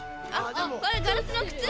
これガラスのくつ？